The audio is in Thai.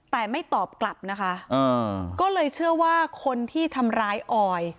แต่ไม่ตอบกลับนะคะก็เลยเชื่อว่าคนที่ทำร้ายออย